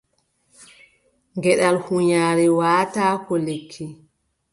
Geɗal hunyaare waʼataako lekki.